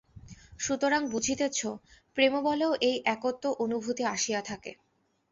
সুতরাং বুঝিতেছ, প্রেমবলেও এই একত্ব-অনুভূতি আসিয়া থাকে।